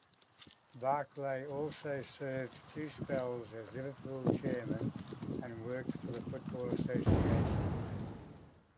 Barclay also served two spells as Liverpool chairman and worked for the Football Association.